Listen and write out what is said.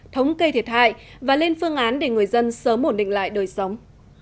thống kê thiệt hại và lên phương án để người dân sớm ổn định lại đời sống